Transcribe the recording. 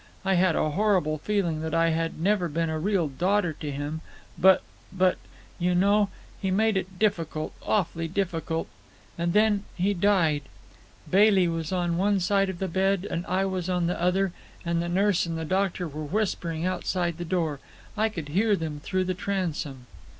I had a horrible feeling that I had never been a real daughter to him. But—but—you know, he made it difficult, awfully difficult. And then he died; Bailey was on one side of the bed and I was on the other, and the nurse and the doctor were whispering outside the door. I could hear them through the transom."